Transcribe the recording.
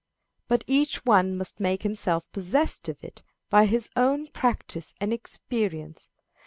But each one must make himself possessed of it by his own practice and experience.